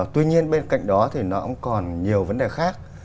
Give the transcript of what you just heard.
tuy nhiên bên cạnh đó thì nó cũng còn nhiều vấn đề khác